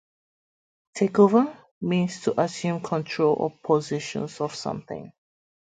"Take over" means to assume control or possession of something.